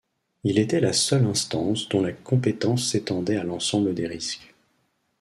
Il était la seule instance dont la compétence s'étendait à l'ensemble des risques.